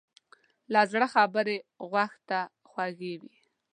له زړه خبرې غوږ ته خوږې وي.